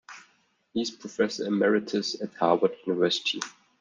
He is professor emeritus at Harvard University.